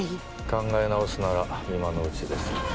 考え直すなら今のうちです。